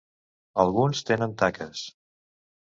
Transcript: Alguns tenen taques.